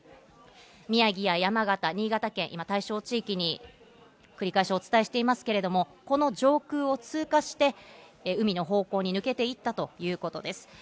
宮城や山形、新潟県、今、対象地域に繰り返しお伝えしていますけれども、この上空を通過して海の方向に抜けていったということです。